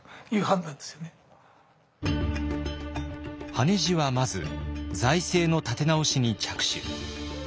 羽地はまず財政の立て直しに着手。